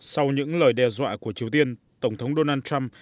sau những lời đe dọa của triều tiên tổng thống donald trump